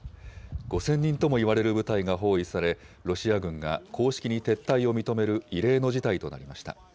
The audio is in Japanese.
５０００人ともいわれる部隊が包囲され、ロシア軍が公式に撤退を認める異例の事態となりました。